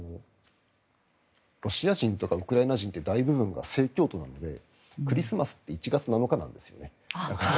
ロシア人とかウクライナ人って大部分が正教徒なのでクリスマスって１月７日なんですよね。